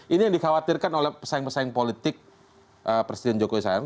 ini yang dikhawatirkan oleh pesaing pesaing politik presiden jokowi sekarang